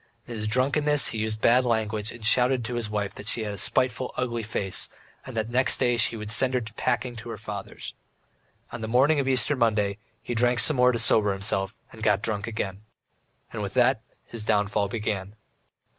In his drunkenness he used bad language and shouted to his wife that she had a spiteful, ugly face, and that next day he would send her packing to her father's. On the morning of Easter Monday, he drank some more to sober himself, and got drunk again. And with that his downfall began.